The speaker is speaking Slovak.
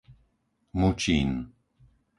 Mučín